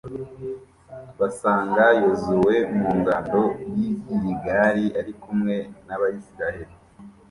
basanga yozuwe mu ngando y'i giligali ari kumwe n'abayisraheli